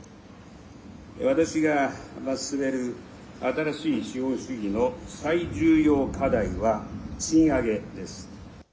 私が進める新しい資本主義の最重要課題は賃上げです。